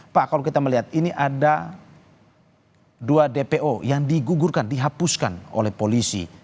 pak kalau kita melihat ini ada dua dpo yang digugurkan dihapuskan oleh polisi